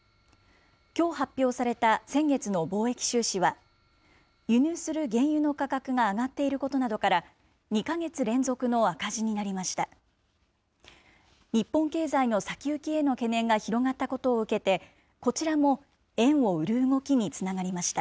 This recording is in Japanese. きょう発表された先月の貿易収支は、輸入する原油の価格が上がっていることなどから、２か月連続の赤字になりました。